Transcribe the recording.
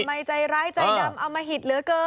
ทำไมใจไร้ใจดำเอาออกมาหิดเหลือเกิน